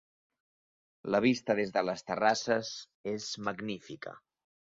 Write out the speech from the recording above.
La vista des de les terrasses és magnífica.